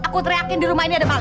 aku teriakin di rumah ini ada pak